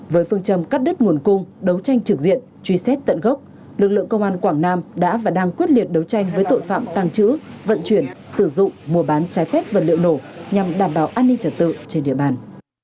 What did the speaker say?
với phương châm cắt đứt nguồn cung đấu tranh trực diện truy xét tận gốc lực lượng công an quảng nam đã và đang quyết liệt đấu tranh với tội phạm tàng trữ vận chuyển sử dụng mua bán trái phép vật liệu nổ nhằm đảm bảo an ninh trật tự trên địa bàn